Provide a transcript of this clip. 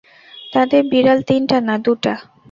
তাঁদের বিড়াল তিনটা না, দুটা।